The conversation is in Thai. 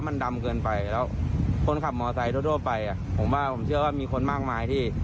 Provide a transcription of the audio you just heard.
คุณสายฟ้าบทสายของเขาก็ได้รับความเสียหายครับ